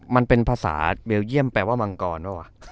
มันเป็นภาษาเปลี่ยนแปลว่ามังกรหรอวะ